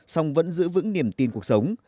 xong vẫn giữ vững niềm tin cuộc sống